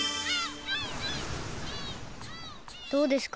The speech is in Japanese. どうですか？